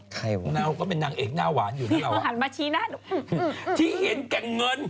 ใครวะน่าก็เป็นนางเอกน่าหวานอยู่นะน่าหวานที่เห็นแก่เงิน